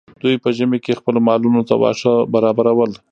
دوی په ژمي کې خپلو مالونو ته واښه برابرول.